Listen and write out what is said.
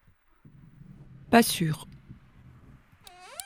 Pas sûr.